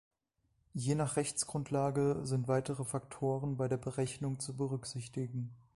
Je nach Rechtsgrundlage sind weitere Faktoren bei der Berechnung zu berücksichtigen.